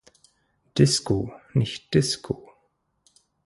Disco nicht Disco.